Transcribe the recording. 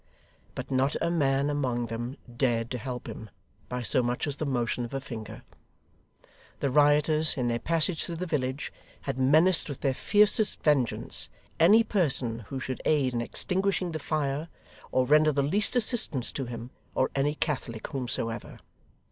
But not a man among them dared to help him by so much as the motion of a finger. The rioters, in their passage through the village, had menaced with their fiercest vengeance, any person who should aid in extinguishing the fire, or render the least assistance to him, or any Catholic whomsoever.